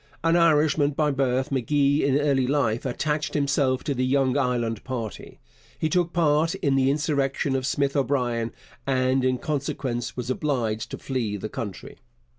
An Irishman by birth, M'Gee in early life attached himself to the Young Ireland party. He took part in the insurrection of Smith O'Brien, and in consequence was obliged to flee the country.